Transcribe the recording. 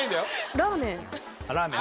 ラーメン。